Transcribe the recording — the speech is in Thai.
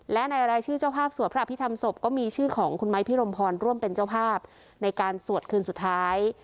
และในรายชื่อเจ้าภาพสวดพระอภิษฐรรมศพก็มีชื่อของคุณไม้พิรมพรร่วมเป็นเจ้าภาพในการสวดคืนสุดท้าย